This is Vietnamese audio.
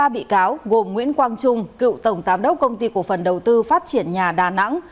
ba bị cáo gồm nguyễn quang trung cựu tổng giám đốc công ty cổ phần đầu tư phát triển nhà đà nẵng